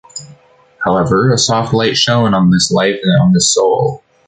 However, a soft light shown on this life and on this soul.